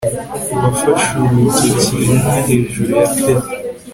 wafashe urutoki rumwe hejuru ya pee